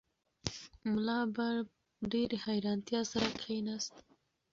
ملا په ډېرې حیرانتیا سره کښېناست.